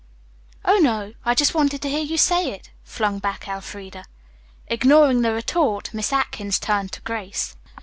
"Oh, no, I just wanted to hear you say it," flung back Elfreda. Ignoring this retort, Miss Atkins turned to Grace.